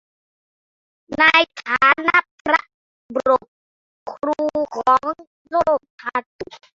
ในฐานะพระบรมครูของโลกธาตุ